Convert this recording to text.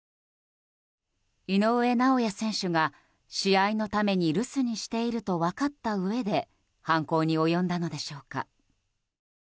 井上尚弥選手が試合のために留守にしていると分かったうえで犯行に及んだのでしょうか。